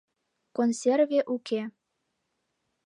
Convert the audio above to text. Консерве уке.